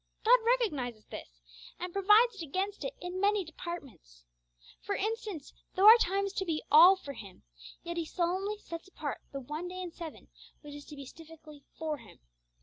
God recognises this, and provides against it in many departments. For instance, though our time is to be 'all' for Him, yet He solemnly sets apart the one day in seven which is to be specially for Him.